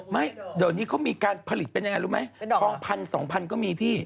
ไม่เดี๋ยวนี้เขามีการผลิตเป็นยังไงรู้ไหมทองพันสองพันก็มีพี่